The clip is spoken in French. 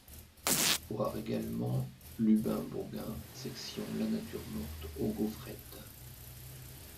Voir également Lubin Baugin, section La Nature morte aux gaufrettes.